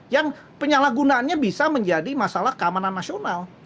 yang penyalahgunaannya bisa menjadi masalah keamanan nasional